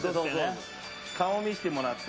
顔見せてもらって。